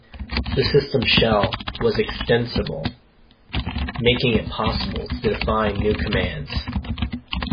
The system shell was extensible, making it possible to define new commands.